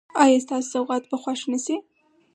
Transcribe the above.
ایا ستاسو سوغات به خوښ نه شي؟